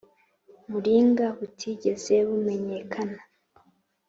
muringa butigeze bumenyekana